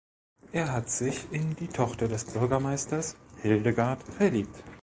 Er hat sich in die Tochter des Bürgermeisters, Hildegard, verliebt.